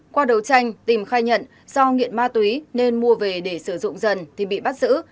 qua đấu tranh tìm khai nhận do nghiện ma túy nên mua về để sử dụng dần thì bị bắt giữ